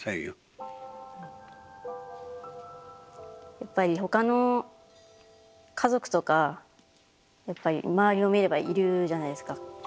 やっぱり他の家族とかやっぱり周りを見ればいるじゃないですか。